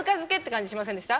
感じありませんでした？